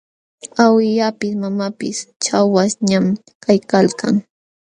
Awillapis mamapis chawaśhñam kaykalkan.